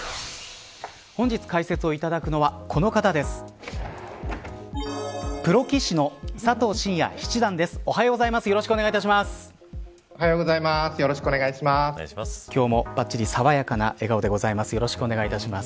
本日解説をいただくのはこの方です。